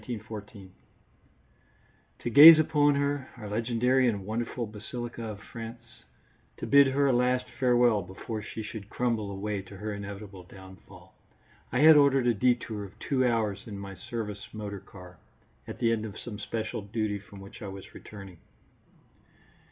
_ To gaze upon her, our legendary and wonderful basilica of France, to bid her a last farewell before she should crumble away to her inevitable downfall, I had ordered a détour of two hours in my service motor car at the end of some special duty from which I was returning.